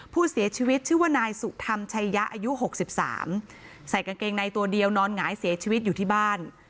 ผู้เสียชีวิตชื่อว่านายสุธรรมชัยยะอายุ๖๓ใส่กางเกงในตัวเดียวนอนหงายเสียชีวิตอยู่ที่บ้าน